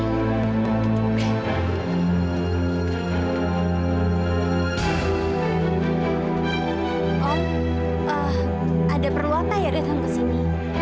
oh ada perluan saya datang ke sini